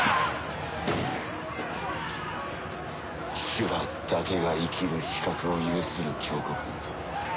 修羅だけが生きる資格を有する強国。